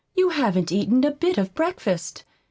You haven't eaten a bit of breakfast.